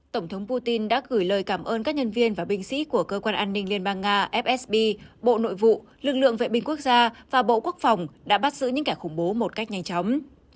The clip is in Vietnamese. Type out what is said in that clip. tổng thống putin đã gửi lời cảm ơn các nhân viên và binh sĩ của cơ quan an ninh liên bang nga fsb bộ nội vụ lực lượng vệ binh quốc gia và bộ quốc phòng đã bắt giữ những kẻ khủng bố một cách nhanh chóng